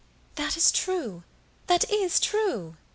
"That is true! That is true?"